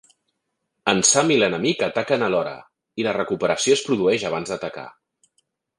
En Sam i l'enemic ataquen a l'hora, i la recuperació es produeix abans d'atacar.